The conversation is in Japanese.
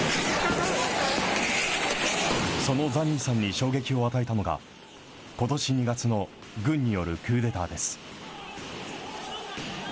そのザニーさんに衝撃を与えたのが、ことし２月の軍によるクーデターです。